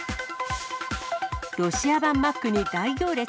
ロシア版マックに大行列。